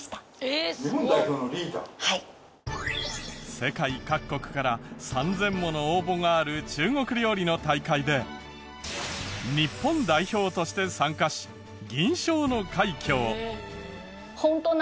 世界各国から３０００もの応募がある中国料理の大会で日本代表として参加し銀賞の快挙を。